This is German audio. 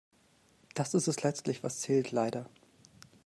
Das ist es letztlich was zählt, leider.